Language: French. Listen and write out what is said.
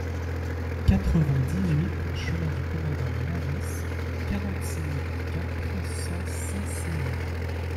quatre-vingt-dix-huit chemin du Commandant Lavaysse, quarante-six mille quatre cents Saint-Céré